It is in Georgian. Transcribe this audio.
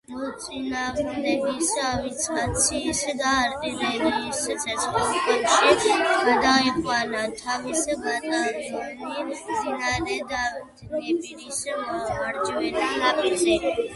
მოწინააღმდეგის ავიაციისა და არტილერიის ცეცხლქვეშ გადაიყვანა თავისი ბატალიონი მდინარე დნეპრის მარჯვენა ნაპირზე.